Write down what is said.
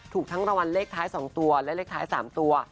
ถูกทั้งรางวัลเลขท้าย๒ตัวและเลขท้าย๓ตัว